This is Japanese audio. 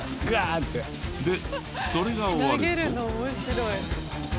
でそれが終わると。